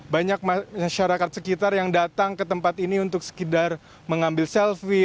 banyak masyarakat sekitar yang datang ke tempat ini untuk sekedar mengambil selfie